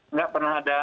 nggak pernah ada